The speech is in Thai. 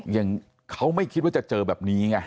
อย่างเขาไม่คิดว่าจะเจอแบบนี้ไง